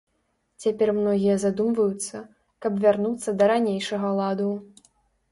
Цяпер многія задумваюцца, каб вярнуцца да ранейшага ладу.